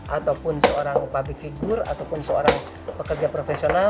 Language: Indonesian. ataupun seorang public figure ataupun seorang pekerja profesional